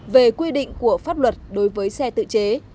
về quy định của pháp luật đối với xe tự chế